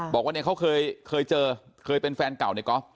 บอกว่าเนี่ยเขาเคยเคยเจอเคยเป็นแฟนเก่าเนี่ยก๊อฟ